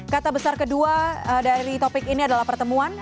kata besar kedua dari topik ini adalah pertemuan